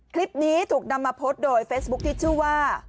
คลิปนี้ถูกนำมาโพสต์โดยเฟซบุ๊คที่ชื่อว่า